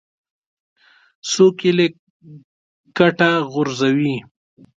څوک یې له کټه غورځوي.